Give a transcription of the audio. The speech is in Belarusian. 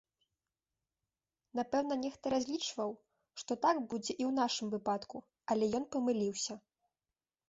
Напэўна, нехта разлічваў, што так будзе і ў нашым выпадку, але ён памыліўся.